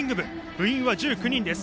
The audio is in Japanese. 部員は１９人です。